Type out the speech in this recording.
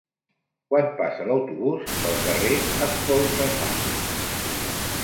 Quan passa l'autobús pel carrer Espolsa-sacs?